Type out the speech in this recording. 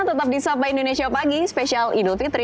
tetap di sapa indonesia pagi spesial idul fitri